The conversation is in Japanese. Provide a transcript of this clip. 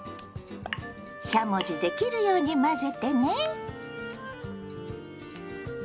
しゃもじで切るように混ぜてね。